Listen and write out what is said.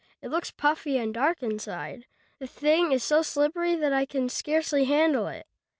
It looks puffy and dark inside. The thing is so slippery that I can scarcely handle it."